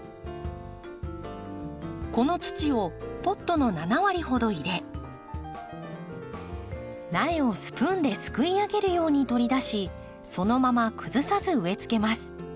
この土をポットの７割ほど入れ苗をスプーンですくいあげるように取り出しそのまま崩さず植えつけます。